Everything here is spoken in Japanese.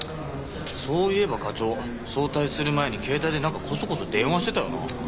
そういえば課長早退する前に携帯でなんかコソコソ電話してたよな。